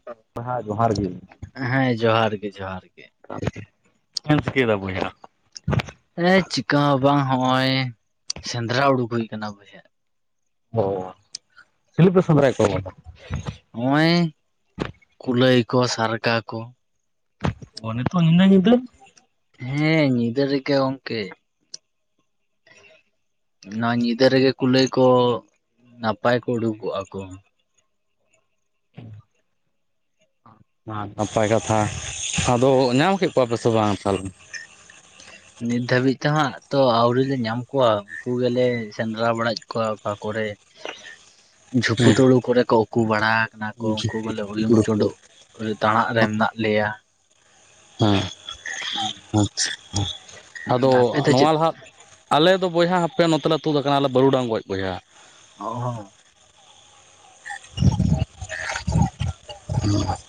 [unintelligible] ᱦᱮᱸ ᱡᱚᱦᱟᱨ ᱜᱮ ᱡᱚᱦᱟᱨ ᱜᱮ ᱪᱮᱫ ᱮᱢ ᱪᱤᱠᱟᱹᱭ ᱫᱟ ᱵᱚᱭᱦᱟ? ᱦᱮᱸ ᱪᱤᱠᱟᱹ ᱦᱚᱸ ᱵᱟᱝ ᱦᱚᱸᱜᱼᱚᱭ ᱥᱮᱸᱫᱽᱨᱟ ᱩᱰᱩᱠ ᱦᱩᱭ ᱠᱟᱱᱟ ᱵᱚᱭᱦᱟ ᱚ ᱥᱤᱞᱤ ᱯᱮ ᱥᱮᱸᱫᱽᱨᱟᱭ ᱮᱜ ᱠᱚᱣᱟ ᱵᱚᱭᱦᱟ? ᱦᱚᱸᱜᱼᱚᱭ ᱠᱩᱞᱟᱹᱭ ᱠᱚ ᱥᱟᱨᱜᱟ ᱠᱚ᱾ ᱚ ᱱᱮᱛᱚᱜ ᱱᱤᱱᱟᱹ ᱧᱤᱫᱟᱹ ᱦᱮᱸ ᱧᱤᱫᱟᱹ ᱨᱮᱜᱮ ᱜᱚᱝᱠᱮ᱾ ᱱᱚᱣᱟ ᱧᱤᱫᱟᱹ ᱨᱮᱜᱮ ᱠᱩᱞᱟᱹᱭ ᱠᱚ ᱱᱟᱯᱟᱭ ᱠᱚ ᱩᱰᱩᱠᱚᱜᱼᱟ ᱠᱚ᱾ [inaudible] [inaudible] ᱱᱟᱯᱟᱭ ᱠᱟᱛᱷᱟ ᱟᱫᱚ ᱧᱟᱢ ᱠᱮᱫ ᱠᱚᱣᱟ ᱯᱮᱥᱮ ᱵᱟᱝ ᱛᱟᱞᱦᱮ? [inaudible] ᱱᱤᱛ ᱫᱷᱟᱹᱵᱤᱡ ᱛᱚᱦᱟᱸᱜ ᱛᱚ ᱟᱣᱹᱨᱤ ᱞᱮ ᱧᱟᱢ ᱠᱚᱣᱟ ᱩᱱᱠᱩ ᱜᱮᱞᱮ ᱥᱮᱸᱫᱽᱨᱟ ᱵᱟᱲᱟᱭᱮᱫ ᱠᱚᱣᱟ ᱚᱠᱟ ᱠᱚᱨᱮ ᱦᱮᱸ ᱡᱷᱩᱯᱩᱛᱩᱲᱩ ᱠᱚᱨᱮ ᱠᱚ ᱩᱠᱩ ᱵᱟᱲᱟ ᱠᱟᱱᱟ ᱠᱚ ᱩᱱᱠᱩ ᱵᱚᱞᱮ ᱩᱭᱩᱝ ᱪᱳᱰᱩᱜ ᱛᱟᱸᱲᱟᱜ ᱨᱮ ᱢᱮᱱᱟᱜ ᱞᱮᱭᱟ᱾ ᱦᱮᱸ, ᱟᱪᱪᱷᱟ ᱟᱫᱚ ᱟᱯᱮ ᱫᱚ ᱪᱮᱫ ᱱᱚᱣᱟ ᱞᱟᱦᱟ ᱟᱞᱮᱫᱚ ᱵᱚᱭᱦᱟ ᱦᱟᱯᱮ ᱱᱚᱛᱮᱞᱮ ᱛᱩᱫ ᱟᱠᱟᱱᱟᱞᱮ ᱵᱟᱹᱨᱩᱰᱟᱝ ᱜᱚᱡ ᱵᱚᱭᱦᱟ᱾ [unintelligible] [inaudible]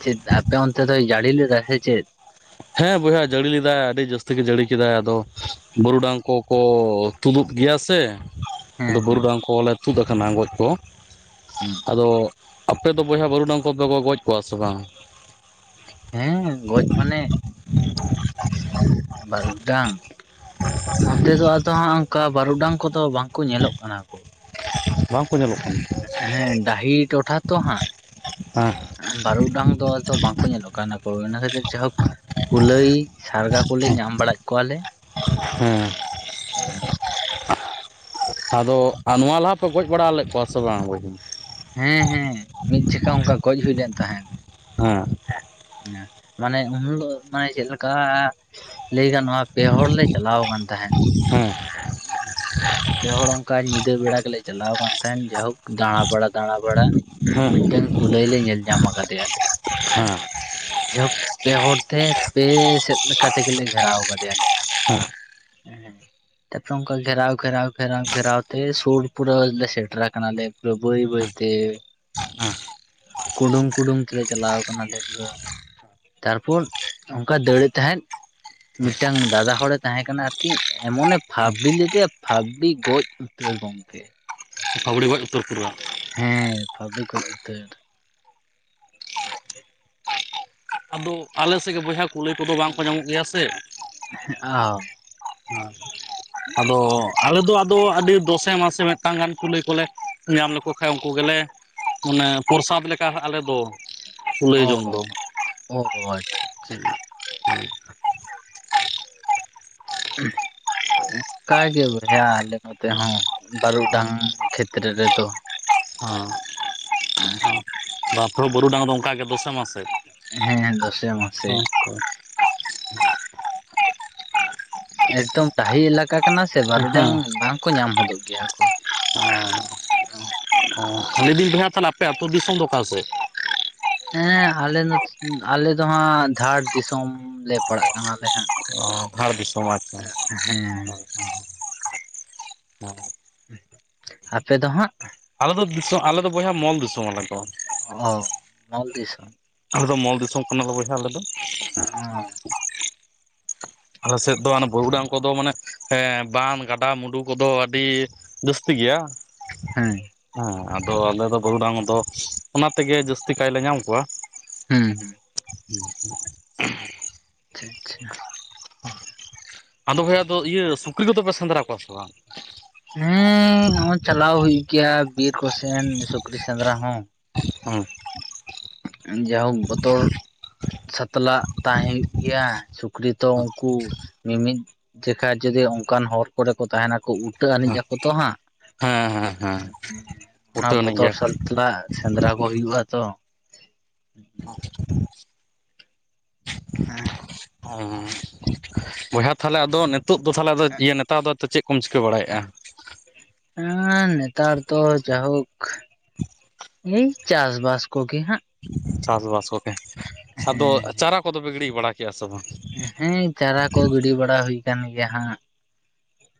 ᱪᱮᱫ ᱟᱯᱮ ᱚᱱᱛᱮ ᱫᱚ ᱡᱟᱹᱲᱤ ᱞᱮᱫᱟ ᱥᱮ ᱪᱮᱫ? ᱦᱮᱸ ᱵᱚᱭᱦᱟ ᱡᱟᱹᱲᱤ ᱞᱮᱫᱟᱭ ᱟᱹᱰᱤ ᱡᱟᱹᱥᱛᱤ ᱜᱮ ᱡᱟᱹᱲᱤ ᱠᱮᱫᱟᱭ ᱟᱫᱚ ᱵᱟᱹᱨᱩᱰᱟᱝ ᱠᱚ ᱠᱚ ᱛᱩᱫᱩᱜ ᱜᱮᱭᱟ ᱥᱮ ᱦᱮᱸ ᱟᱫᱚ ᱦᱮᱸ ᱵᱩᱨᱩᱰᱟᱝ ᱠᱚᱞᱮ ᱛᱩᱫ ᱟᱠᱟᱱᱟ ᱜᱚᱡ ᱠᱚ᱾ ᱟᱫᱚ ᱟᱯᱮ ᱫᱚ ᱵᱚᱭᱦᱟ ᱵᱟᱹᱨᱩᱰᱟᱝ ᱠᱚᱯᱮ ᱠᱚ ᱜᱚ ᱜᱚᱡ ᱠᱚᱣᱟ ᱥᱮ ᱵᱟᱝ? ᱦᱮᱸ ᱜᱚᱡ ᱢᱟᱱᱮ, ᱵᱟᱨᱩᱜᱰᱟᱝ ᱱᱚᱛᱮ ᱫᱚ ᱟᱫᱚ ᱦᱟᱸᱜ ᱚᱱᱠᱟ ᱵᱟᱨᱩᱰᱟᱝ ᱠᱚᱫᱚ ᱵᱟᱝᱠᱚ ᱧᱮᱞᱚᱜ ᱠᱟᱱᱟ ᱠᱚ᱾ ᱵᱟᱝᱠᱚ ᱧᱮᱞᱚᱜ ᱠᱟᱱ ᱦᱮᱸ ᱰᱟᱹᱦᱤ ᱴᱚᱴᱷᱟ ᱛᱚ ᱦᱟᱸᱜ᱾ ᱦᱮᱸ ᱵᱟᱹᱨᱩᱜᱰᱟᱝ ᱫᱚ ᱛᱚ ᱵᱟᱝᱠᱚ ᱧᱮᱞᱚᱜ ᱠᱟᱱᱟ ᱠᱚ ᱤᱱᱟᱹ ᱠᱷᱟᱹᱛᱤᱨ ᱡᱟᱦᱳᱠ ᱠᱩᱞᱟᱹᱭ ᱥᱟᱨᱜᱟ ᱠᱚᱞᱮ ᱧᱟᱢ ᱵᱟᱲᱟᱭᱮᱫ ᱠᱚᱣᱟᱞᱮ᱾ ᱦᱮᱸ᱾ [inaudible] ᱟᱫᱚ ᱟ ᱱᱚᱣᱟ ᱞᱟᱦᱟ ᱯᱮ ᱜᱚᱡ ᱵᱟᱲᱟ ᱞᱮᱫ ᱠᱚᱣᱟ ᱥᱮ ᱵᱟᱝ? [unintelligible] ᱦᱮᱸ ᱦᱮᱸ ᱢᱤᱫ ᱡᱚᱠᱷᱟ ᱚᱱᱠᱟ ᱜᱚᱡ ᱦᱩᱭ ᱞᱮᱱ ᱛᱟᱦᱮᱸᱫ᱾ ᱦᱮᱸ᱾ ᱦᱮ ᱢᱟᱱᱮ ᱩᱱ ᱦᱤᱞᱳᱜ ᱢᱟᱱᱮ ᱪᱮᱫ ᱞᱮᱠᱟ ᱞᱟᱹᱭ ᱜᱟᱱᱚᱜ-ᱟ ᱯᱮ ᱦᱚᱲ ᱞᱮ ᱪᱟᱞᱟᱣ ᱟᱠᱟᱱ ᱛᱟᱦᱮᱸᱫ [unintelligible] [inaudible] ᱯᱮ ᱦᱚᱲ ᱚᱱᱠᱟ ᱧᱤᱫᱟᱹ ᱵᱮᱲᱟ ᱜᱮᱞᱮ ᱪᱟᱞᱟᱣ ᱠᱟᱱ ᱛᱟᱦᱮᱸᱫ ᱡᱟᱦᱳᱠ ᱫᱟᱬᱟ ᱵᱟᱲᱟ ᱫᱟᱬᱟ ᱵᱟᱲᱟ ᱦᱮᱸ ᱢᱤᱫᱴᱟᱝ ᱠᱩᱞᱟᱹᱭ ᱞᱮ ᱧᱮᱞ ᱧᱟᱢ ᱠᱟᱫᱮᱭᱟᱞᱮ ᱦᱮᱸ ᱡᱟᱦᱳᱠ ᱯᱮ ᱦᱚᱲ ᱛᱮ ᱯᱮ ᱥᱮᱫ ᱞᱮᱠᱟ ᱛᱮᱜᱮ ᱞᱮ ᱜᱷᱮᱨᱟᱣ ᱠᱟᱫᱮᱭᱟ ᱞᱮ᱾ ᱦᱮᱸ ᱛᱟᱯᱚᱨᱮ ᱚᱫᱠᱟ ᱜᱷᱮᱨᱟᱣ ᱜᱷᱮᱨᱟᱣ ᱜᱷᱮᱨᱟᱣ ᱜᱷᱮᱨᱟᱣ ᱛᱮ ᱥᱩᱨ ᱯᱩᱨᱟᱹ ᱞᱮ ᱥᱮᱴᱮᱨ ᱟᱠᱟᱱᱟ ᱞᱮ ᱯᱩᱨᱟᱹ ᱵᱟᱹᱭ ᱵᱟᱹᱭ ᱛᱮ ᱦᱮᱸ ᱠᱩᱰᱩᱝ ᱠᱩᱰᱩᱝ ᱛᱮᱞᱮ ᱪᱟᱞᱟᱣ ᱟᱠᱟᱱᱟ ᱞᱮ ᱯᱩᱨᱟᱹ ᱛᱟᱨᱯᱚᱨ ᱚᱝᱠᱟ ᱫᱟᱹᱲᱮᱜ ᱛᱟᱦᱮᱸᱫ ᱢᱤᱫᱴᱟᱝ ᱫᱟᱫᱟ ᱦᱚᱲᱮ ᱛᱟᱦᱮᱸ ᱠᱟᱱᱟ ᱟᱨ ᱠᱤ ᱮᱢᱚᱱᱮ ᱯᱷᱟᱵᱽᱲᱤ ᱞᱮᱫᱮᱭᱟ ᱯᱷᱟᱵᱽᱲᱤ ᱜᱚᱡ ᱩᱛᱟᱹᱨ ᱾ ᱜᱚᱝᱠᱮ ᱯᱷᱟᱹᱵᱽᱲᱤ ᱜᱚᱡ ᱩᱛᱟᱹᱨ ᱯᱩᱨᱟᱹ ᱦᱮᱸ ᱯᱷᱟᱵᱽᱲᱤ ᱜᱚᱡ ᱩᱛᱟᱹᱨ᱾ [inaudible] ᱟᱞᱮᱥᱮᱜ ᱜᱮ ᱵᱚᱭᱦᱟ ᱠᱩᱞᱟᱹᱭ ᱠᱚᱫᱚ ᱵᱟᱝ ᱠᱚ ᱧᱟᱢᱚᱜ ᱜᱮᱭᱟ ᱥᱮ ᱦᱮᱜ ᱟᱣ [unintelligible] ᱦᱮᱸ ᱟᱫᱚ ᱟᱞᱮ ᱫᱚ ᱟᱫᱚ ᱟᱹᱰᱤ ᱫᱚᱥᱮ ᱢᱟᱥᱮ ᱢᱤᱜᱴᱟᱝ ᱜᱟᱱ ᱠᱩᱞᱟᱹᱭ ᱠᱚᱞᱮ ᱧᱟᱢ ᱞᱮᱠᱚ ᱠᱷᱟᱡ ᱩᱱᱠᱩ ᱜᱮᱞᱮ ᱢᱟᱱᱮ ᱯᱨᱚᱥᱟᱫ ᱞᱮᱠᱟ ᱟᱞᱮ ᱫᱚ ᱠᱩᱞᱟᱹᱭ ᱚ ᱡᱚᱢ ᱫᱚ᱾ ᱚ ᱦᱳᱭ, [unintelligible] [unintelligible] [unintelligible] [unintelligible] ᱚᱝᱠᱟ ᱜᱮ ᱵᱚᱭᱦᱟ ᱟᱞᱮ ᱱᱚᱛᱮ ᱦᱚᱸ, ᱵᱟᱹᱨᱩᱰᱟᱝ ᱠᱷᱮᱛᱛᱨᱮ ᱨᱮᱫᱚ᱾ [unintelligible] [unintelligible] [unintelligible] [unintelligible] ᱵᱟᱯᱨᱩ ᱵᱩᱨᱩᱰᱟᱝ ᱫᱚ, ᱚᱝᱠᱟ ᱜᱮ ᱫᱚᱥᱮ ᱢᱟᱥᱮ᱾ ᱦᱮᱸ ᱫᱚᱥᱮ ᱢᱟᱥᱮ᱾ ᱦᱮᱸ ᱮᱠᱫᱚᱢ ᱰᱟᱦᱤ ᱮᱞᱟᱠᱟ ᱠᱟᱱᱟ ᱥᱮ, ᱦᱮᱸ ᱵᱟᱨᱩᱰᱟᱝ ᱵᱟᱝ ᱠᱚ ᱧᱟᱢ ᱦᱚᱫᱚᱜ ᱜᱮᱭᱟ ᱠᱚ᱾ ᱦᱚᱸ, ᱦᱚᱸ, ᱞᱟᱹᱭ ᱫᱤᱧ ᱵᱚᱭᱦᱟ ᱛᱟᱦᱚᱞᱮ ᱟᱯᱮ ᱟᱹᱛᱳ ᱫᱤᱥᱚᱢ ᱫᱚ ᱚᱠᱟ ᱥᱮᱫ? ᱦᱮᱸ ᱟᱞᱮ ᱱᱚ ᱟᱞᱮ ᱫᱚ ᱦᱟᱸᱜ, ᱫᱷᱟᱲ ᱫᱤᱥᱚᱢ ᱞᱮ ᱯᱟᱲᱟᱜ ᱠᱟᱱᱟ, ᱞᱮ ᱦᱟᱸᱜ᱾ ᱚ ᱫᱷᱟᱲ ᱫᱤᱥᱚᱢ ᱟᱪᱪᱷᱟ, ᱟᱪᱪᱷᱟ᱾ ᱦᱮᱸ ᱟᱯᱮ ᱫᱚ ᱦᱟᱸᱜ? ᱟᱞᱮ ᱫᱚ ᱫᱤᱥᱚᱜ, ᱟᱞᱮ ᱫᱚ ᱵᱚᱭᱦᱟ ᱢᱚᱞ ᱫᱤᱥᱚᱢ, ᱟᱞᱮ ᱫᱚ᱾ ᱚᱦᱚᱸ, ᱢᱚᱞ ᱫᱤᱥᱚᱢ᱾ ᱟᱞᱮ ᱫᱚ ᱢᱚᱞ ᱫᱤᱥᱚᱢ ᱠᱟᱱᱟ, ᱞᱮ ᱵᱚᱭᱦᱟ ᱟᱞᱮ ᱫᱚ᱾ [unintelligible] [unintelligible] ᱟᱞᱮ ᱥᱮᱜ ᱫᱚ ᱟᱱᱮ, ᱵᱟᱹᱨᱩᱰᱟᱝ ᱠᱚᱫᱚ, ᱢᱟᱱᱮ ᱦᱮᱸ ᱵᱟᱱ ᱜᱟᱰᱟ ᱢᱩᱰᱩ ᱠᱚᱫᱚ, ᱟᱹᱰᱤ ᱡᱟᱹᱥᱛᱤ ᱜᱮᱭᱟ᱾ ᱦᱮᱸ, ᱦᱮᱸ ᱟᱫᱚ ᱟᱞᱮ ᱫᱚ ᱵᱟᱹᱨᱩᱰᱟᱝ ᱫᱚ, ᱚᱱᱟ ᱛᱮᱜᱮ ᱡᱟᱹᱥᱛᱤ ᱠᱟᱭᱞᱮ ᱧᱟᱢ ᱠᱚᱣᱟ᱾ ᱦᱩᱸ, ᱦᱩᱸ᱾ [unintelligible] [unintelligible] ᱪᱷᱤᱜ ᱪᱷᱤᱜ ᱟ [unintelligible] [unintelligible] ᱟᱫᱚ ᱵᱚᱭᱦᱟ ᱫᱚ ᱤᱭᱟᱹ, ᱥᱩᱠᱨᱤ ᱠᱚᱫᱚ ᱯᱮ ᱥᱮᱸᱫᱽᱨᱟ ᱠᱚᱣᱟ ᱥᱮ ᱵᱟᱝ? ᱦᱢᱸ, ᱪᱟᱞᱟᱣ ᱦᱳᱭᱩᱜ ᱜᱮᱭᱟ, ᱵᱤᱨ ᱠᱚ ᱥᱮᱱ ᱥᱩᱠᱨᱤ ᱥᱮᱸᱫᱽᱨᱟ ᱦᱚᱸ᱾ ᱳᱚ, ᱡᱟ ᱦᱳᱠ ᱵᱚᱛᱚᱨ ᱥᱟᱛᱞᱟᱜ ᱛᱟᱦᱮᱸᱱ ᱜᱮᱭᱟ, ᱥᱩᱠᱨᱤ ᱛᱚ ᱩᱱᱠᱩ ᱢᱤ ᱢᱤᱫ ᱡᱮᱠᱷᱟ ᱡᱩᱫᱤ ᱚᱱᱠᱟᱱ ᱦᱚᱨ ᱠᱚᱨᱮ ᱠᱚ, ᱛᱟᱦᱮᱸᱱ ᱟᱠᱚ ᱩ ᱩᱴᱟᱹ ᱟᱹᱱᱤᱡ ᱟᱠᱚ ᱛᱚ ᱦᱟᱸᱜ, ᱦᱮᱸ ᱦᱮᱸ ᱚᱱᱟ ᱩᱴᱟᱹᱱᱤᱡ ᱵᱚᱛᱚᱨ ᱜᱮᱭᱟ ᱥᱟᱛᱞᱟᱜ ᱥᱮᱸᱫᱽᱨᱟ ᱠᱚ, ᱦᱳᱭᱩᱜᱼᱟ ᱛᱚ᱾ [unintelligible] [unintelligible] ᱦᱮᱸ, ᱚ, ᱵᱚᱭᱦᱟ ᱛᱟᱦᱚᱞᱮ ᱟᱫᱚ, ᱱᱮ ᱱᱤᱛᱳᱜ ᱫᱚ ᱛᱟᱦᱚᱞᱮ ᱟᱫᱚ ᱤᱭᱟᱹ, ᱱᱮᱛᱟᱨ ᱫᱚ ᱟᱫᱚ, ᱪᱮᱜ ᱠᱚᱢ ᱪᱤᱠᱟᱹ ᱵᱟᱲᱟᱭᱮᱜᱼᱟ? ᱦᱮᱸ, ᱱᱮᱛᱟᱨ ᱫᱚ ᱡᱟᱦᱳᱠ ᱮᱭ, ᱪᱟᱥ ᱵᱟᱥ ᱠᱚᱜᱮ ᱦᱟᱸᱜ᱾ ᱪᱟᱥᱵᱟᱥ ᱠᱚᱜᱮ, ᱟᱫᱚ ᱦᱮᱸ ᱪᱟᱨᱟ ᱠᱚᱫᱚ ᱯᱮ, ᱜᱤᱲᱤ ᱵᱟᱲᱟ ᱠᱮᱜᱼᱟ ᱥᱮ ᱵᱟᱝ? ᱦᱮᱸ ᱪᱟᱨᱟ ᱠᱚ ᱜᱤᱰᱤ ᱵᱟᱲᱟ, ᱦᱳᱭ ᱠᱟᱱ ᱜᱮᱭᱟ ᱦᱟᱸᱜ᱾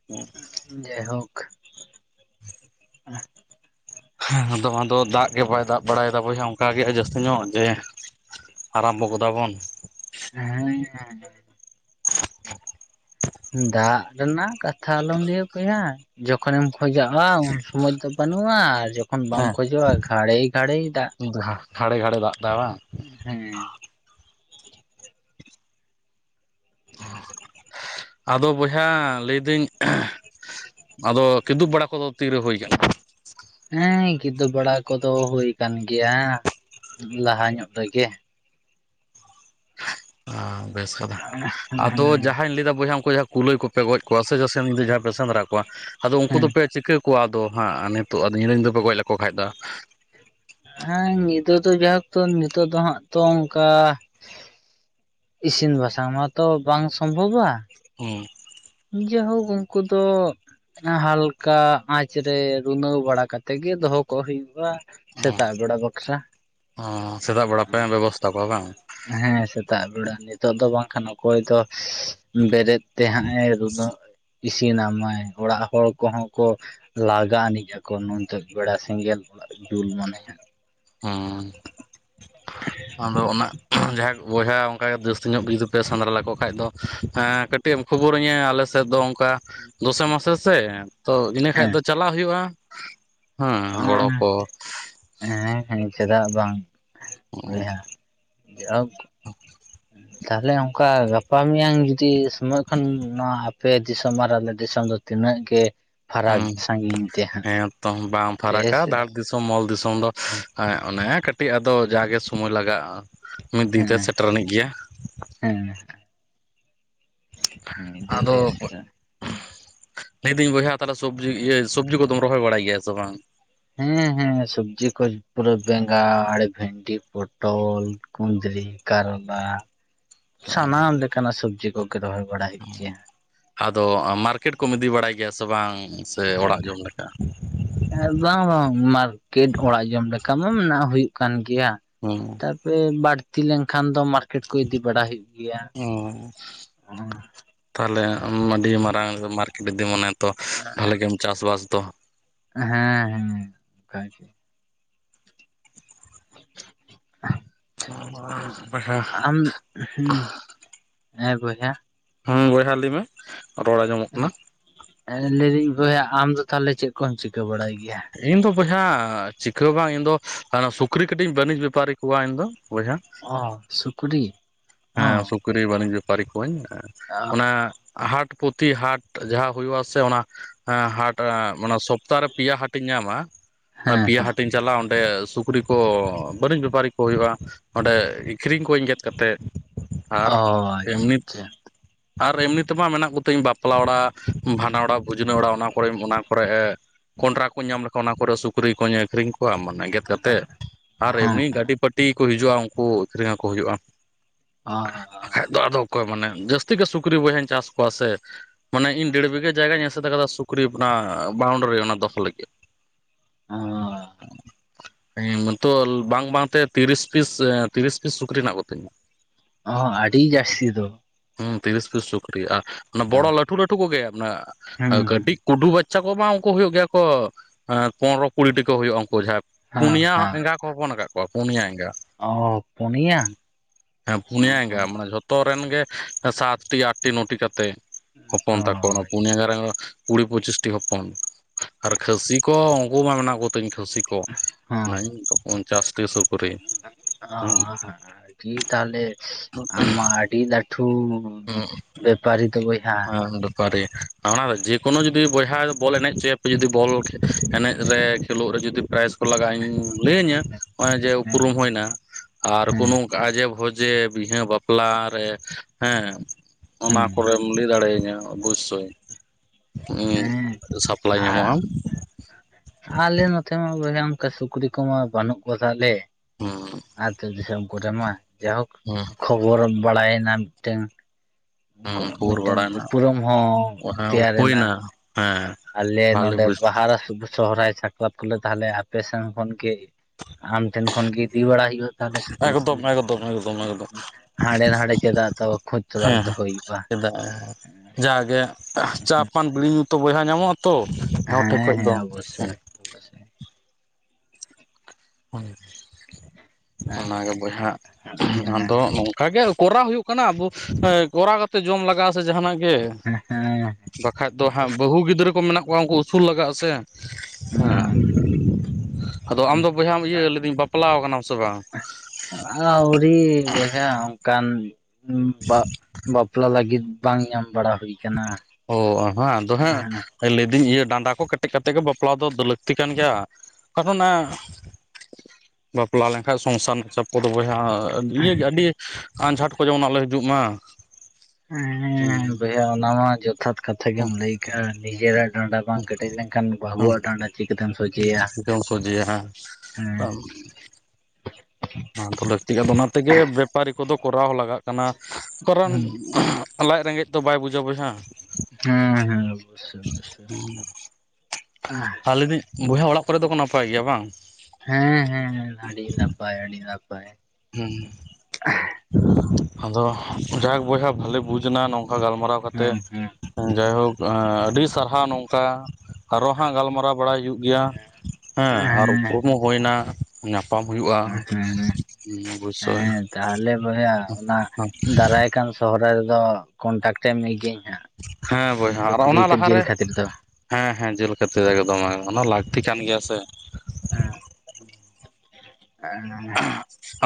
ᱦᱮᱸ, ᱡᱟᱭ ᱦᱳᱠ, ᱦᱮᱸ ᱟᱫᱚ, ᱟᱫᱚ ᱫᱟᱜ ᱜᱮ ᱵᱟᱭ, ᱫᱟᱜ ᱵᱟᱲᱟᱭᱫᱟ ᱵᱚᱭᱦᱟ, ᱚᱱᱠᱟᱜᱮ ᱡᱟᱹᱥᱛᱤ ᱧᱚᱜ, ᱡᱮ ᱟᱨᱟᱢᱵᱚ ᱜᱚᱫᱟ ᱵᱚᱱ᱾ ᱦᱮᱸ, [unintelligible] [unintelligible] ᱫᱟᱜ ᱨᱮᱱᱟᱜ ᱠᱟᱛᱷᱟ ᱟᱞᱚᱢ ᱞᱟᱹᱭᱟ ᱵᱚᱭᱦᱟ, ᱡᱚᱠᱷᱚᱱᱮᱢ ᱠᱷᱚᱡᱚᱜᱼᱟ, ᱩᱱ ᱥᱩᱢᱚᱭ ᱫᱚ ᱵᱟᱹᱱᱩᱜ ᱼᱟ, ᱟᱨ ᱡᱚᱠᱷᱚᱱ ᱵᱟᱢ ᱦᱮᱸ ᱠᱷᱚᱡᱚᱜᱼᱟ, ᱜᱷᱟᱹᱲᱤᱭ, ᱜᱷᱟᱹᱲᱤᱭ ᱫᱟᱜ ᱜᱷᱟᱲᱮ, ᱜᱷᱟᱲᱮ ᱫᱟᱜ ᱫᱟᱭ ᱵᱟᱝ? ᱦᱮᱸ᱾ ᱟᱫᱚ ᱵᱚᱭᱦᱟ ᱞᱟᱹᱭᱫᱟᱹᱧ [unintelligible] ᱟᱫᱚ ᱠᱤᱫᱩᱵ ᱵᱟᱲᱟ ᱠᱚᱫᱚ ᱛᱤᱨᱮ ᱦᱳᱭ ᱟᱠᱟᱱᱟ? ᱦᱮᱸ ᱠᱤᱫᱩᱵ ᱵᱟᱲᱟ ᱠᱚᱫᱚ ᱦᱩᱭ ᱟᱠᱟᱱ ᱜᱮᱭᱟ ᱞᱟᱦᱟ ᱧᱚᱜ ᱨᱮᱜᱮ᱾ ᱦᱟᱸ ᱵᱮᱥ ᱠᱟᱛᱷᱟ ᱦᱮᱸ ᱟᱫᱚ ᱡᱟᱦᱟᱧ ᱞᱟᱹᱭᱫᱟ ᱵᱚᱭᱦᱟ ᱩᱱᱠᱩ ᱡᱟᱸᱦᱟ ᱠᱩᱞᱟᱹᱭ ᱠᱚ ᱯᱮ ᱜᱚᱡ ᱠᱚᱣᱟ ᱥᱮ ᱥᱮᱸᱫ ᱡᱟᱦᱟᱸᱭ ᱯᱮ ᱥᱮᱸᱫᱽᱨᱟ ᱠᱚᱣᱟ ᱟᱫᱚ ᱩᱱᱠᱩ ᱦᱮᱸ ᱫᱚᱯᱮ ᱪᱤᱠᱟᱹ ᱠᱚᱣᱟ ᱟᱫᱚ ᱦᱟᱸᱜ ᱱᱤᱛᱚᱜ ᱟᱫᱚ ᱧᱤᱫᱟᱹ ᱧᱤᱫᱟᱹ ᱯᱮ ᱜᱚᱡ ᱞᱮᱠᱚ ᱠᱷᱟᱡ ᱫᱚ ᱦᱮᱸ ᱧᱤᱫᱟᱹ ᱫᱚ ᱡᱟᱭᱦᱳᱠ ᱛᱚ ᱱᱤᱛᱚᱜ ᱫᱚ ᱦᱟᱸᱜ ᱛᱚ ᱚᱱᱠᱟ ᱤᱥᱤᱱ ᱵᱟᱥᱟᱝ ᱢᱟᱛᱚ ᱵᱟᱝ ᱥᱚᱢᱵᱷᱚᱵᱚᱜᱼᱟ᱾ ᱦᱩᱸ ᱡᱟᱣᱦᱳᱠ ᱩᱱᱠᱩ ᱫᱚ ᱦᱟᱞᱠᱟ ᱟᱸᱪ ᱨᱮ ᱵᱤᱱᱟᱹᱣ ᱵᱟᱲᱟ ᱠᱟᱛᱮᱜ ᱜᱮ ᱫᱚᱦᱚ ᱠᱚ ᱦᱩᱭᱩᱜᱼᱟ᱾ ᱚ ᱥᱮᱛᱟᱜ ᱵᱮᱲᱟ ᱵᱟᱠᱷᱨᱟ ᱚ ᱥᱮᱛᱟᱜ ᱵᱮᱲᱟ ᱯᱮ ᱵᱮᱵᱚᱥᱛᱟ ᱠᱚᱣᱟ ᱵᱟᱝ ᱦᱮᱸ ᱥᱮᱛᱟᱜ ᱵᱮᱲᱟ ᱱᱤᱛᱚᱜ ᱫᱚ ᱵᱟᱝᱠᱷᱟᱱ ᱚᱠᱚᱭ ᱫᱚ ᱵᱮᱨᱮᱫ ᱛᱮᱦᱟᱸᱜ ᱮ [unintelligible] ᱤᱥᱤᱱᱟᱢᱟᱭ ᱚᱲᱟᱜ ᱦᱚᱲ ᱠᱚᱦᱚᱸ ᱠᱚ ᱞᱟᱜᱟᱜ ᱟᱹᱱᱤᱡ ᱟᱠᱚ ᱱᱚᱱᱛᱮ ᱵᱮᱲᱟ ᱥᱮᱸᱜᱮᱞ ᱫᱩᱞ ᱢᱟᱱᱮ ᱜᱮ᱾ ᱦᱟᱸ ᱟᱫᱚ ᱚᱱᱟ ᱡᱟᱦᱟᱸᱭ ᱠᱚ ᱵᱚᱭᱦᱟ ᱚᱱᱠᱟᱜᱮ ᱡᱟᱹᱥᱛᱤ ᱧᱚᱜ ᱡᱩᱫᱤ ᱯᱮ ᱥᱮᱸᱫᱽᱨᱟ ᱞᱮᱠᱚ ᱠᱷᱟᱡ ᱫᱚ ᱠᱟᱹᱴᱤᱡ ᱮᱢ ᱠᱷᱚᱵᱚᱨᱟᱹᱧᱟᱹ ᱟᱞᱮᱥᱮᱫ ᱫᱚ ᱚᱱᱠᱟ ᱫᱚᱥᱮ ᱢᱟᱥᱮ ᱛᱚ ᱤᱱᱟᱹ ᱠᱷᱟᱡ ᱫᱚ ᱪᱟᱞᱟᱜ ᱦᱩᱭᱩᱜᱼᱟ᱾ ᱦᱮᱸ ᱜᱚᱲᱚ ᱟᱦᱟᱦᱩᱸ ᱠᱚ [unintelligible] ᱦᱮᱸ ᱦᱮᱸ ᱪᱮᱫᱟᱜ ᱵᱟᱝ ᱵᱚᱭᱦᱟ ᱡᱟᱦᱳᱠ ᱛᱟᱦᱚᱞᱮ ᱚᱱᱠᱟ ᱜᱟᱯᱟ ᱢᱮᱭᱟᱝ ᱡᱩᱫᱤ ᱥᱚᱢᱚᱭ ᱠᱷᱚᱱ ᱱᱚᱣᱟ ᱟᱯᱮ ᱫᱤᱥᱚᱢ ᱟᱨ ᱟᱞᱮ ᱫᱤᱥᱚᱢ ᱫᱚ ᱛᱤᱱᱟᱹᱜ ᱜᱮ ᱯᱷᱟᱨᱟᱠ ᱥᱟᱺᱜᱤᱧ ᱛᱮ ᱦᱟᱸᱜ᱾ ᱛᱟᱦᱩ ᱵᱟᱝ ᱛᱮ ᱯᱷᱟᱨᱟᱠᱟ ᱥᱮ ᱫᱷᱟᱲ ᱫᱤᱥᱚᱢ ᱢᱚᱞ ᱫᱤᱥᱚᱢ ᱫᱚ ᱦᱮᱸ ᱚᱱᱮ ᱠᱟᱹ ᱠᱟᱹᱴᱤᱡ ᱟᱫᱚ ᱡᱟᱜᱮ ᱥᱚᱢᱛᱭ ᱞᱟᱜᱟᱜᱼᱟ ᱢᱤᱫ ᱫᱤᱱ ᱦᱮᱸ ᱛᱮ ᱥᱮᱴᱮᱨᱟᱱᱤᱡ ᱜᱮᱭᱟ᱾ ᱦᱮᱸ ᱢᱤᱫ ᱫᱤᱱ ᱟᱫᱚ ᱛᱮ ᱥᱮᱴᱮᱨ ᱞᱟᱹᱭᱫᱤᱧ ᱵᱚᱭᱦᱟ ᱛᱟᱦᱚᱞᱮ ᱥᱚᱵᱽᱡᱤ ᱤᱭᱟᱹ ᱥᱚᱵᱽᱡᱤ ᱠᱚ ᱨᱚᱦᱚᱭ ᱵᱟᱲᱟᱭ ᱜᱮᱭᱟ ᱥᱮ ᱵᱟᱝ? ᱦᱮᱸ ᱦᱮᱸ ᱥᱚᱵᱽᱡᱤ ᱠᱚ ᱯᱩᱨᱟᱹ ᱵᱮᱸᱜᱟᱲ, ᱵᱷᱮᱱᱰᱤ, ᱯᱚᱴᱚᱞ ᱠᱩᱸᱫᱽᱨᱤ, ᱠᱟᱨᱞᱟ, ᱥᱟᱱᱟᱢ ᱞᱮᱠᱟᱱᱟᱜ ᱥᱚᱵᱽᱡᱤ ᱠᱚᱜᱮ ᱨᱚᱦᱚᱭ ᱵᱟᱲᱟᱭ ᱦᱩᱭᱩᱜ ᱜᱮᱭᱟ᱾ ᱟᱫᱚ ᱢᱟᱨᱠᱮᱴ ᱠᱚᱢ ᱤᱫᱤ ᱵᱟᱲᱟᱭ ᱜᱮᱭᱟ ᱥᱮ ᱵᱟᱝ ᱥᱮ ᱚᱲᱟᱜ ᱡᱚᱢ ᱞᱮᱠᱟ? ᱵᱟᱝ ᱵᱟᱝ ᱢᱟᱨᱠᱮᱴ ᱚᱲᱟᱜ ᱡᱚᱢ ᱞᱮᱠᱟ ᱢᱟ ᱢᱮᱱᱟᱜ ᱦᱩᱭᱩᱜ ᱠᱟᱱ ᱜᱮᱭᱟ᱾ ᱦᱮᱸ ᱳ ᱵᱟᱹᱲᱛᱤ ᱞᱮᱱᱠᱷᱟᱱ ᱫᱚ ᱢᱟᱨᱠᱮᱴ ᱠᱚ ᱤᱫᱤ ᱵᱟᱲᱟ ᱦᱩᱭᱩᱜ ᱜᱮᱭᱟ᱾ ᱚ [unintelligible] ᱛᱟᱦᱚᱞᱮ ᱟᱹᱰᱤ ᱢᱟᱨᱟᱝ ᱢᱟᱨᱠᱮᱴ ᱛᱤᱸᱜᱩᱱᱟ ᱛᱚ ᱵᱷᱟᱞᱮ ᱜᱮᱢ ᱪᱟᱥᱵᱟᱥ ᱛᱚ ᱦᱮᱸ ᱦᱮᱸ ᱚᱱᱠᱟ ᱪᱮ [unintelligible] [unintelligible] ᱵᱚᱭᱦᱟ ᱟᱢ ᱦᱮᱸ ᱦᱮᱸ ᱵᱚᱭᱦᱟ ᱦᱩᱸ ᱵᱚᱭᱦᱟ ᱞᱟᱹᱭ ᱢᱮ ᱨᱚᱲ ᱟᱸᱡᱚᱢᱚᱜ ᱠᱟᱱᱟ ᱦᱮᱸ ᱞᱟᱹᱭᱫᱟᱹᱧ ᱵᱚᱭᱦᱟ ᱟᱢ ᱫᱚ ᱛᱟᱦᱚᱞᱮ ᱪᱮᱫ ᱠᱚᱢ ᱪᱤᱠᱟᱹ ᱵᱟᱲᱟᱭ ᱜᱮᱭᱟ ᱤᱧ ᱫᱚ ᱵᱚᱭᱦᱟ ᱪᱤᱠᱟᱹ ᱵᱟᱝ ᱤᱧ ᱫᱚ ᱥᱩᱠᱨᱤ ᱠᱟᱹᱴᱤᱡ ᱤᱧ ᱵᱟᱹᱱᱤᱡᱽ ᱵᱮᱯᱟᱨᱤ ᱠᱚᱣᱟ ᱤᱧ ᱫᱚ ᱵᱚᱭᱦᱟ ᱚᱻ ᱥᱩᱠᱨᱤ ᱚ ᱦᱮᱸ ᱥᱩᱠᱨᱤ ᱵᱟᱹᱱᱤᱡᱽ ᱵᱮᱯᱟᱨᱤ ᱠᱚᱣᱟᱹᱧ ᱚᱱᱟ ᱦᱮᱸ ᱦᱟᱴ ᱯᱩᱛᱤ ᱦᱟᱴ ᱡᱟᱦᱟᱸ ᱦᱩᱭᱩᱜᱼᱟ ᱥᱮ ᱚᱱᱟ ᱦᱟᱴ ᱥᱚᱯ ᱼᱼ ᱥᱚᱯᱛᱟ ᱨᱮ ᱯᱮᱭᱟ ᱦᱟᱴᱤᱧ ᱧᱟᱢᱟ ᱯᱮᱭᱟ ᱦᱟᱴ ᱦᱮᱸ ᱛᱤᱧ ᱪᱟᱞᱟᱜᱼᱟ ᱚᱸᱰᱮ ᱥᱩᱠᱨᱤ ᱠᱚ ᱵᱟᱹᱨᱤᱡ ᱵᱮᱯᱟᱨᱤ ᱠᱚ ᱦᱩᱭᱩᱜᱼᱟ ᱚᱸᱰᱮ ᱟᱹᱠᱷᱨᱤᱧ ᱠᱩᱣᱟᱹᱧ ᱜᱮᱫ ᱠᱟᱛᱮᱫ ᱟᱨ ᱚ ᱟᱪᱪᱷᱟ ᱮᱢᱱᱤ ᱟᱪᱪᱷᱟ ᱟᱨ ᱮᱢᱱᱤ ᱛᱮᱢᱟ ᱢᱮᱱᱟᱜ ᱠᱚᱛᱤᱧ ᱵᱟᱯᱞᱟ ᱚᱲᱟᱜ ᱵᱷᱟᱰᱟᱱ ᱚᱲᱟᱜ ᱵᱷᱩᱡᱽᱱᱟᱹ ᱚᱲᱟᱜ ᱚᱱᱟ ᱠᱚᱨᱮ ᱚᱱᱟ ᱠᱚᱨᱮ ᱠᱚᱸᱰᱨᱟ ᱠᱚᱧ ᱧᱟᱢ ᱞᱮᱠᱷᱟᱱ ᱚᱱᱟ ᱠᱚᱨᱮ ᱥᱩᱠᱨᱤ ᱠᱚᱧ ᱟᱹᱠᱷᱨᱤᱧ ᱠᱚᱣᱟ ᱢᱟᱱᱮ ᱜᱮᱫ ᱼᱼ ᱠᱟᱛᱮᱫ ᱟᱨ ᱦᱮᱸ ᱮᱢᱱᱤ ᱜᱟᱹᱰᱤ ᱯᱟᱹᱴᱤ ᱠᱚ ᱦᱤᱡᱩᱜᱼᱟ ᱩᱱᱠᱩ ᱟᱹᱷᱨᱤᱧ ᱟᱠᱚ ᱦᱩᱭᱩᱜᱼᱟ ᱚᱻ ᱵᱟᱠᱷᱟᱡ ᱫᱚ ᱟᱫᱚ ᱚᱠᱚᱭ ᱢᱟᱱᱮ ᱡᱟᱹᱥᱛᱤ ᱜᱮ ᱥᱩᱠᱨᱤ ᱵᱚᱭᱦᱟᱧ ᱪᱟᱥ ᱠᱚᱣᱟ ᱥᱮ ᱢᱟᱱᱮ ᱤᱧ ᱫᱮᱲ ᱵᱤᱜᱟᱹ ᱡᱟᱭᱜᱟᱧ ᱮᱥᱮᱫ ᱟᱠᱟᱫᱟ ᱥᱩᱠᱨᱤ ᱚᱱᱟ ᱵᱟᱣᱩᱱᱰᱟᱨᱤ ᱚᱱᱟ ᱫᱚᱦᱚ ᱞᱟᱹᱜᱤᱫ ᱚᱸᱻ ᱤᱧ ᱱᱤᱛᱳᱜ ᱵᱟᱝ ᱵᱟᱝᱛᱮ ᱛᱤᱨᱤᱥ ᱯᱤᱥ ᱛᱤᱨᱤᱥ ᱯᱤᱥ ᱥᱩᱠᱨᱤ ᱢᱮᱱᱟᱜ ᱠᱚᱛᱤᱧᱟ ᱚ ᱦᱚᱸ ᱟᱹᱰᱤ ᱡᱟᱹᱨᱛᱤ ᱫᱚ ᱦᱩᱸ ᱛᱤᱨᱤᱥ ᱯᱤᱥ ᱪᱩᱠᱨᱤ ᱟᱨ ᱚᱱᱟ ᱵᱚᱲᱚ ᱦᱮᱸ ᱞᱟᱹᱴᱩ ᱞᱟᱹᱴᱩ ᱠᱚᱜᱮ ᱚᱱᱟ ᱦᱩᱸ ᱦᱩᱸ ᱠᱟᱹᱴᱤᱡ ᱠᱩᱰᱩ ᱵᱟᱪᱪᱷᱟ ᱠᱚ ᱵᱟᱝ ᱩᱱᱠᱩ ᱦᱩᱭᱩᱜ ᱜᱮᱭᱟ ᱠᱚ ᱯᱚᱱᱨᱚ ᱠᱩᱲᱤᱴᱤ ᱠᱚ ᱦᱩᱭᱩᱜᱼᱟ ᱩᱱᱠᱩ ᱡᱟᱦᱟᱸ ᱦᱮᱸ ᱯᱩᱱᱭᱟ ᱮᱸᱜᱟ ᱠᱚ ᱦᱚᱯᱚᱱ ᱟᱠᱟᱫ ᱠᱚᱣᱟ ᱯᱩᱱᱭᱟ ᱮᱸᱜᱟ ᱚᱻ ᱯᱩᱱᱭᱟ ᱦᱮᱸ ᱯᱩᱱᱭᱟ ᱮᱸᱜᱟ ᱚ ᱢᱟᱱᱮ ᱡᱷᱚᱛᱚ ᱨᱮᱱ ᱜᱮ ᱥᱟᱛᱴᱤ ᱟᱴᱤ ᱱᱚᱴᱤ ᱠᱟᱛᱮ ᱦᱚᱯᱚᱱ ᱛᱟᱠᱚ ᱚᱱᱟ ᱯᱩᱱᱭᱟᱹ ᱜᱟᱨᱟᱝ ᱠᱩᱲᱤ ᱯᱚᱸᱪᱤᱥᱴᱤ ᱦᱚᱯᱚᱱ ᱟᱨ ᱠᱷᱟᱹᱥᱤ ᱠᱚ ᱩᱱᱠᱩ ᱢᱟ ᱢᱮᱱᱟᱜ ᱠᱚᱛᱤᱧ ᱠᱷᱟᱹᱥᱤ ᱠᱚ ᱦᱮᱸ ᱱᱟᱧ ᱯᱚᱧᱪᱟᱥᱴᱤ ᱥᱩᱠᱨᱤ ᱦᱩᱸ ᱴᱷᱤ ᱛᱟᱦᱮ ᱟᱢ ᱢᱟ ᱟᱹᱰᱤ ᱞᱟ. ᱴᱷᱩ ᱦᱩᱸ ᱟᱱᱰᱚ ᱯᱟᱨᱮ ᱚᱱᱟ ᱡᱮᱠᱳᱱᱳ ᱡᱩᱫᱤ ᱵᱚᱭᱦᱟ ᱵᱚᱞ ᱮᱱᱮᱡ ᱪᱮ ᱡᱩᱫᱤ ᱵᱚᱞ ᱮᱱᱮᱡ ᱨᱮ ᱠᱷᱮᱞᱳᱜ ᱨᱮ ᱡᱩᱫᱤ ᱯᱨᱟᱭᱤᱡ ᱠᱚ ᱞᱟᱜᱟᱜ ᱤᱧ ᱞᱟᱹᱭ ᱤᱧᱟ ᱱᱚᱜᱼᱚᱭ ᱡᱮ ᱦᱮᱸ ᱩᱯᱨᱩᱢ ᱦᱩᱭᱱᱟ ᱟᱨ ᱦᱮᱸ ᱠᱳᱱᱳ ᱠᱟᱡᱮ ᱵᱷᱚᱡᱮ ᱵᱤᱦᱟᱹ ᱵᱟᱯᱞᱟ ᱨᱮ ᱦᱮᱸ ᱚᱱᱟ ᱦᱮᱸ ᱠᱚᱨᱮᱢ ᱞᱟᱹᱭ ᱫᱟᱲᱮᱭᱤᱹᱧᱟ ᱚᱵᱚᱥᱳᱭ ᱩᱸ ᱦᱮᱸ ᱥᱟᱯᱞᱟᱭ ᱟᱨ ᱧᱟᱢᱚᱜᱼᱟ ᱟᱞᱮ ᱱᱚᱛᱮ ᱢᱟ ᱵᱚᱭᱦᱟ ᱚᱱᱠᱟ ᱥᱩᱠᱨᱤ ᱠᱚᱢᱟ ᱵᱟᱹᱱᱩᱜ ᱠᱚᱛᱟᱞᱮ ᱦᱩᱸ ᱟᱹᱛᱩᱳ ᱫᱤᱥᱚᱢ ᱠᱚᱨᱮᱢᱟ ᱡᱟᱭᱦᱳᱠ ᱦᱩᱸ ᱠᱷᱚᱵᱚᱨ ᱵᱟᱲᱟᱭᱮᱱᱟ ᱢᱤᱫᱴᱮᱱ ᱩᱱᱠᱩ ᱦᱩᱸ ᱠᱷᱚᱵᱚᱨ ᱢᱤᱫᱴᱟᱝ ᱵᱟᱲᱟᱭ ᱱᱟ ᱩᱯᱨᱩᱢ ᱦᱚᱸ ᱛᱮᱭᱟᱨᱮᱱᱟ ᱦᱩᱭᱱᱟ ᱦᱮᱸ ᱟᱞᱮ ᱵᱷᱟᱞᱮ ᱱᱚᱰᱮ ᱵᱩᱡ ᱵᱟᱦᱟ ᱨᱮ ᱥᱩᱵᱚ ᱥᱚᱦᱚᱨᱟᱭ ᱥᱟᱠᱨᱟᱛ ᱠᱚᱞᱮ ᱛᱟᱦᱚᱞᱮ ᱟᱯᱮ ᱥᱟᱱ ᱠᱷᱚᱱᱜᱮ ᱟᱢ ᱴᱷᱮᱱ ᱠᱷᱚᱱᱜᱮ ᱤᱫᱤ ᱵᱟᱲᱟᱟᱭ ᱦᱩᱭᱩᱜᱼᱟ ᱛᱟᱦᱞᱮ ᱥᱩᱠᱨᱤ ᱡᱤᱞ ᱮᱠᱫᱚᱢ ᱮᱠᱫᱚᱢ ᱮᱠᱫᱚᱢ ᱦᱮᱸ ᱮᱠᱫᱚᱢ ᱦᱮᱸ ᱦᱮᱸ ᱫᱚᱦᱚ ᱦᱩᱭᱩᱜᱼᱟ ᱪᱮᱫᱟᱜ ᱡᱟᱜᱮ ᱪᱟ ᱯᱟᱱ ᱵᱤᱲᱤ ᱧᱩ ᱛᱚ ᱵᱚᱭᱦᱟ ᱧᱟᱢᱚᱜᱼᱟ ᱛᱚ ᱦᱟᱴᱷᱮᱡ ᱦᱮᱸ ᱠᱷᱚᱡ ᱦᱮᱸ ᱫᱚ ᱚᱵᱚᱥᱥᱳᱭ ᱚᱵᱚᱥᱥᱳᱭ ᱦᱩᱸ ᱚᱱᱟᱱᱟᱜᱮ ᱵᱚᱭᱦᱟ ᱟᱫᱚ ᱠᱟᱜᱮ ᱠᱚᱨᱟᱣ ᱦᱩᱭᱩᱜ ᱠᱟᱱᱟ ᱟᱵᱚ ᱠᱚᱨᱟᱣ ᱠᱟᱛᱮ ᱡᱚᱢ ᱞᱟᱜᱟᱜᱼᱟ ᱥᱮ ᱡᱟᱦᱟᱱᱟᱜ ᱜᱮ ᱦᱮᱸ ᱦᱮᱸ ᱵᱟᱠᱷᱟᱡ ᱫᱚ ᱦᱟᱸᱜ ᱵᱟᱹᱦᱩ ᱜᱤᱫᱽᱨᱟᱹ ᱠᱚ ᱢᱮᱱᱟᱜ ᱠᱚᱣᱟ ᱩᱱᱠᱩ ᱩᱥᱩᱞ ᱞᱟᱜᱟᱜᱼᱟ ᱥᱮ ᱟᱫᱚ ᱟᱢᱫᱚ ᱵᱚᱭᱦᱟᱢ ᱤᱭᱟᱹ ᱞᱮᱫᱤᱧ ᱵᱟᱯᱞᱟᱣ ᱠᱟᱱᱟᱢ ᱥᱮ ᱵᱟᱝ ᱟᱹᱣᱨᱤ ᱵᱚᱭᱦᱟ ᱠᱟᱱ ᱵᱟᱯᱞᱟ ᱞᱟᱹᱜᱤᱫ ᱵᱟᱝ ᱧᱟᱢ ᱵᱟᱲᱟ ᱦᱩᱭ ᱠᱟᱱᱟ ᱚ ᱦᱮᱸ ᱟᱫᱚ ᱦᱟᱸᱜ ᱦᱮᱸ ᱞᱟᱹᱭ ᱫᱤᱧ ᱤᱭᱟᱹ ᱰᱟᱸᱰᱟ ᱠᱚ ᱠᱮᱴᱮᱡ ᱠᱟᱛᱮ ᱜᱮ ᱵᱟᱯᱞᱟ ᱫᱚ ᱞᱟᱹᱠᱛᱤ ᱠᱟᱱ ᱜᱮᱭᱟ ᱟᱫᱚ ᱚᱱᱟ ᱵᱟᱯᱞᱟ ᱞᱮᱝᱠᱷᱟᱡ ᱥᱚᱝᱥᱟᱨ ᱱᱟᱜ ᱪᱟᱯ ᱠᱚᱫᱚ ᱵᱚᱭᱦᱟ ᱞᱤᱭᱟᱹᱜᱮ ᱟᱹᱰᱤ ᱟᱸᱡᱷᱟᱴ ᱠᱚ ᱡᱮᱢᱱᱟᱜ ᱟᱞᱚ ᱦᱤᱡᱩᱜ ᱢᱟ ᱦᱮᱸᱻ ᱵᱚᱭᱦᱟ ᱚᱱᱟ ᱢᱟ ᱡᱚᱛ ᱡᱚᱛᱷᱟᱛ ᱠᱟᱛᱷᱟ ᱜᱮᱢ ᱞᱟᱹᱭ ᱠᱟᱜ-ᱟ ᱱᱤᱡᱮᱨᱟᱜ ᱰᱟᱸᱰᱟ ᱵᱟᱝ ᱠᱮᱴᱮᱡ ᱞᱮᱝᱠᱷᱟᱱ ᱵᱟᱹᱦᱩᱣᱟᱜ ᱰᱟᱸᱰᱟ ᱪᱤᱠᱟᱹ ᱛᱮᱢ ᱥᱚᱡᱷᱮᱭᱟ ᱪᱤᱠᱟᱹᱢ ᱥᱚᱡᱷᱮᱭᱟ ᱦᱮᱸ ᱦᱮᱸ ᱚᱱᱟ ᱫᱚ ᱞᱟᱹᱠᱛᱤ ᱟᱫᱚ ᱚᱱᱟ ᱛᱮᱜᱮ ᱵᱮᱯᱟᱨᱤ ᱠᱚᱫᱚ ᱠᱚᱨᱟᱣ ᱦᱚᱸ ᱞᱟᱜᱟᱜ ᱠᱟᱱᱟ ᱠᱟᱨᱚᱱ ᱦᱩᱸ ᱞᱟᱡ ᱨᱮᱸᱜᱮᱡ ᱫᱚ ᱵᱟᱭ ᱵᱩᱡᱟ ᱵᱚᱭᱦᱟ ᱦᱮᱸ ᱦᱮᱸ ᱳᱵᱳᱥᱳᱭ ᱳᱵᱳᱥᱳᱭ ᱟᱨ ᱞᱟᱹᱫᱤᱧ ᱵᱚᱭᱦᱟ ᱚᱲᱟᱜ ᱠᱚᱨᱮ ᱫᱚ ᱱᱟᱯᱟᱭ ᱜᱮᱭᱟ ᱵᱟᱝ ᱦᱮᱸ ᱦᱮᱸ ᱟᱹᱰᱤ ᱱᱟᱯᱟᱭ ᱟᱹᱰᱤ ᱱᱟᱯᱟᱭ ᱦᱩᱸ ᱟᱫᱚ ᱡᱟᱠ ᱵᱚᱭᱦᱟ ᱵᱷᱟᱞᱤ ᱵᱩᱡᱽ ᱱᱟ ᱱᱚᱝᱠᱟ ᱜᱟᱞᱢᱟᱨᱟᱣ ᱠᱟᱛᱮᱫ ᱦᱮᱸ ᱦᱮᱸ ᱡᱟᱭᱦᱳᱠ ᱟᱹᱰᱤ ᱥᱟᱨᱦᱟᱣ ᱱᱚᱝᱠᱟ ᱟᱨᱚ ᱦᱟᱸᱜ ᱜᱟᱞᱢᱟᱨᱟᱣ ᱵᱟᱲᱟᱭ ᱦᱩᱭᱩᱜ ᱜᱮᱭᱟ ᱦᱮᱸ ᱟᱨ ᱩᱯᱨᱩᱢ ᱦᱚᱸ ᱦᱩᱭᱮᱱᱟ ᱧᱟᱯᱟᱢ ᱦᱩᱭᱩᱟ ᱦᱮᱸ ᱦᱮᱸ ᱛᱟᱦᱞᱮ ᱵᱚᱭᱟ ᱚᱱᱟ ᱫᱟᱨᱟᱭ ᱠᱟᱱ ᱥᱚᱦᱚᱨᱟᱭ ᱨᱮᱫᱚ ᱠᱚᱱᱴᱟᱠᱴᱮ ᱢᱮ ᱜᱤᱭᱟᱹᱧ ᱦᱟᱸᱜ ᱦᱮᱸ ᱵᱚᱭᱦᱟ ᱟᱨ ᱥᱩᱠᱨᱤ ᱚᱱᱟ ᱡᱤᱞ ᱞᱟᱦᱟᱨᱮ ᱠᱷᱟᱹᱛᱤᱨ ᱫᱚ ᱦᱮᱸ ᱦᱮᱸ ᱡᱮᱞ [unintelligible] ᱮᱠᱫᱚᱢ ᱚᱱᱟ ᱞᱟᱹᱠᱛᱤ ᱠᱟᱱ ᱜᱮᱭᱟ ᱥᱮ ᱦᱮᱸ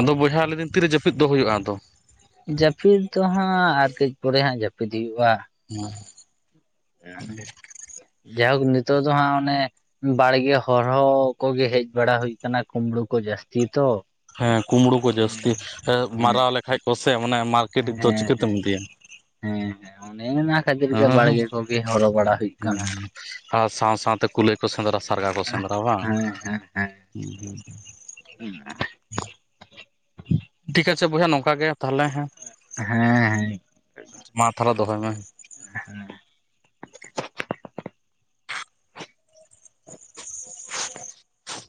ᱟᱫᱚ ᱵᱚᱭᱦᱟ ᱞᱮᱫᱤᱧ ᱛᱤᱨᱮ ᱡᱟᱹᱯᱤᱫ ᱫᱚ ᱦᱩᱭᱩᱜᱼᱟ ᱟᱫᱚ ᱡᱟᱹᱯᱤᱫ ᱫᱚ ᱦᱟᱸᱜ ᱟᱨ ᱠᱟᱹᱡ ᱯᱚᱨᱮ ᱦᱟᱸᱜ ᱡᱟᱹᱯᱤᱫᱽ ᱦᱩᱭᱩᱟ [inaudible] ᱡᱟᱦᱳᱠ ᱱᱤᱛᱚᱜ ᱫᱚ ᱦᱟᱸᱜ ᱚᱱᱮ ᱵᱟᱲᱜᱮ ᱦᱚᱨᱦᱚ ᱠᱚᱜᱮ ᱦᱮᱡ ᱵᱟᱲᱟ ᱦᱩᱭ ᱠᱟᱱᱟ ᱠᱩᱢᱵᱽᱲᱩ ᱠᱚ ᱡᱟᱹᱥᱛᱤ ᱛᱚ ᱦᱮᱸ ᱠᱩᱢᱲᱩ ᱠᱚ ᱡᱟᱹᱥᱛᱤ ᱦᱮᱸ ᱢᱟᱨᱟᱣ ᱞᱮᱠᱷᱟᱡ ᱠᱚ ᱥᱮ ᱚᱱᱮ ᱦᱮᱸ ᱦᱮᱸ ᱦᱮᱸ ᱦᱮᱸ ᱚᱱᱮ ᱠᱷᱟᱹᱛᱤᱨ ᱜᱮ ᱵᱟᱲᱜᱮ ᱠᱚᱜᱮ ᱦᱚᱨᱚ ᱵᱟᱲᱟ ᱦᱩᱭᱩᱜ ᱠᱟᱱᱟ ᱟᱨ ᱥᱟᱶ ᱥᱟᱶᱛᱮ ᱠᱩᱞᱟᱹᱭ ᱠᱚ ᱥᱮᱸᱫᱽᱨᱟ ᱥᱮ ᱥᱟᱨᱜᱟ ᱠᱚ ᱥᱮᱸᱫᱽᱨᱟ ᱵᱟᱝ ᱦᱮᱸ ᱦᱮᱸ ᱦᱮᱸ [unintelligible] ᱴᱷᱤᱠ ᱟᱪᱷᱮ ᱵᱚᱭᱦᱟ ᱱᱚᱝᱠᱟ ᱜᱮ ᱛᱟᱦᱞᱮ ᱦᱮᱸ ᱦᱮᱸ ᱦᱮᱸ ᱢᱟ ᱛᱷᱟᱞᱮ ᱫᱚᱦᱚᱭ ᱢᱮ ᱦᱮᱸ [inaudible]